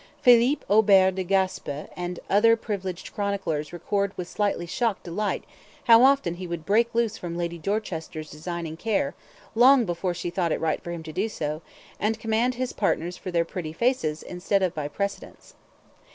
Philippe Aubert de Gaspe and other privileged chroniclers record with slightly shocked delight how often he would break loose from Lady Dorchester's designing care, long before she thought it right for him to do so, and 'command' his partners for their pretty faces instead of by precedence.